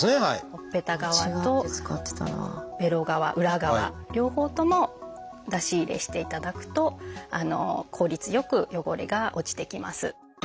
ほっぺた側とべろ側裏側両方とも出し入れしていただくと効率良く汚れが落ちてきます。